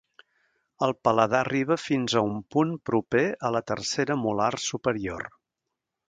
El paladar arriba fins a un punt proper a la tercera molar superior.